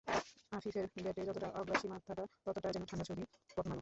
আফিফের ব্যাটে যতটা আগ্রাসী, মাথাটা ততটাই যেন ঠান্ডা ছবি: প্রথম আলো